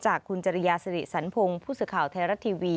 จากคุณจริยาสิริสันพงศ์ผู้สื่อข่าวไทยรัฐทีวี